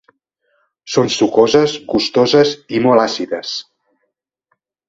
Són sucoses, gustoses i molt àcides.